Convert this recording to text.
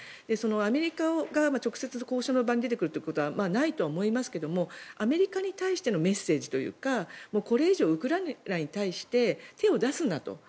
アメリカが直接交渉の場に出てくることはないとは思いますがアメリカに対してのメッセージというかこれ以上、ウクライナに対して手を出すなと。